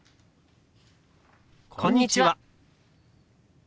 「こんにちは」。